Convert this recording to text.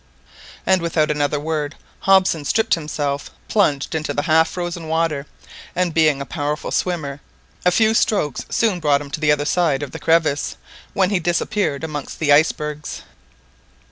And without another word Hobson stripped himself, plunged into the half frozen water, and being a powerful swimmer a few strokes soon brought him to the other side of the crevasse, when he disappeared amongst the icebergs.